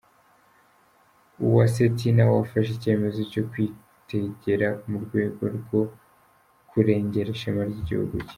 Uwase Tina wafashe icyemezo cyo kwiteger mu rwego rwo kurengera ishema ry'igihugu cye.